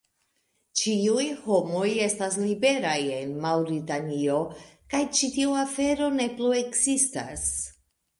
Ĉiuj homoj estas liberaj en Maŭritanio kaj ĉi tiu afero ne plu ekzistas.